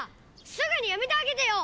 すぐにやめてあげてよ！